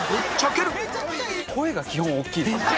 声が基本大きいですね。